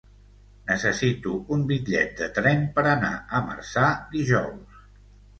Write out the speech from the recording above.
Necessito un bitllet de tren per anar a Marçà dijous.